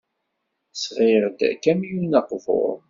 Sɣiɣ-d akamyun aqbur.